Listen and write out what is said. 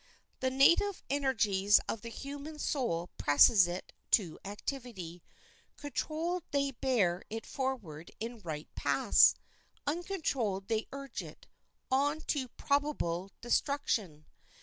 The native energies of the human soul press it to activity; controlled they bear it forward in right paths; uncontrolled they urge it on to probable destruction.